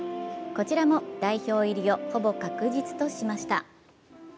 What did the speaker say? こちらも代表入りをほぼ確実としました。